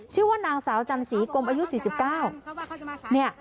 ชื่อว่านางสาวจันสีกรมอายุสี่สิบเก้าเนี่ย